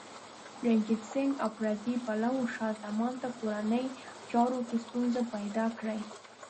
رنجیت سنګ او پردي پلوو شاه زمان ته کورنیو چارو کې ستونزې پیدا کړې.